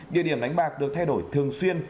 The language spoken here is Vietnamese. địa điểm đánh bạc được thay đổi thường xuyên